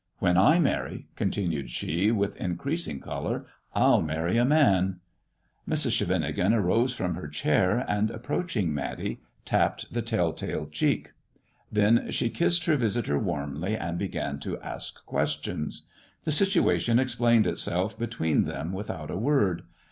When I marry," continued she, with increasing colour, "ril marry a man." Mrs. Scheveningen arose from her chair, and approaching Matty, tapped the tell tale cheek. Then she kissed her visitor warmly, and began to ask questions. The situation explained itself between them without a word.